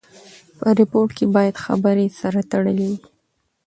په ریپورټ کښي باید خبري سره تړلې وي.